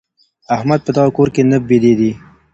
احمد په دغه کور کي نه بېدېدی.